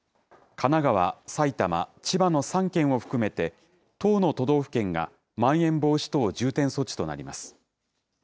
神奈川、埼玉、千葉の３県を含めて１０の都道府県がまん延防止等重点措置となります。